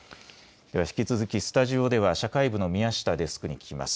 引き続きスタジオでは社会部の宮下デスクに聞きます。